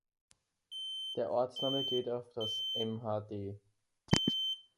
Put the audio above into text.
Der Ortsname geht auf das mhd.